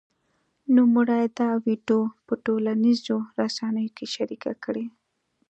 نوموړي دا ویډیو په ټولنیزو رسنیو کې شرېکه کړې